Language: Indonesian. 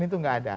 itu tidak ada